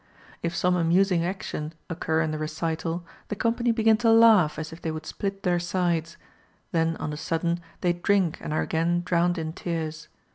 If some amusing action occur in the recital, the company begin to laugh as if they would split their sides; then on a sudden they drink and are again drowned in tears.